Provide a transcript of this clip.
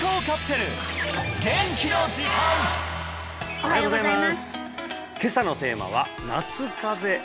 おはようございます